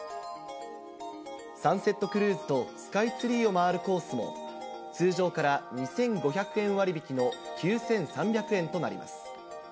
サンセットクルーズとスカイツリーを回るコースも、通常から２５００円割引きの９３００円となります。